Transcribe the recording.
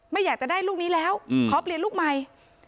ไม่อยากจะได้ลูกนี้แล้วขอเปลี่ยนลูกใหม่